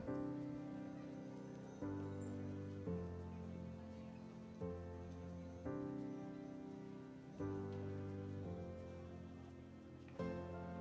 assalamualaikum warahmatullahi wabarakatuh